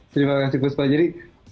terima kasih bu sepanjiri